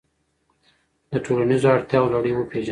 د ټولنیزو اړتیاوو لړۍ وپیژنه.